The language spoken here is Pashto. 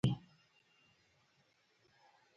د ماحول خيال ساتئ